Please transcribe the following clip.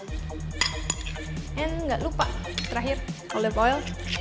dan enggak lupa terakhir olive oil